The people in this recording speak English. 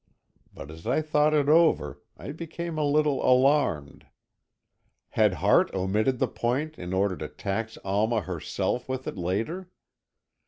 But as I thought it over, I became a little alarmed. Had Hart omitted the point in order to tax Alma herself with it later?